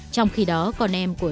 trong khi đó con em của